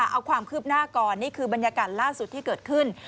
เอาความคืบหน้าก่อนนี่คือบรรยากาศล่าสุดที่เกิดขึ้น